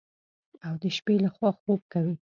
او د شپې لخوا خوب کوي.